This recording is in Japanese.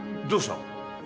どうした？